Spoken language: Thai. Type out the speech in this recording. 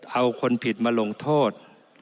เอาคนผิดมาลงโทษ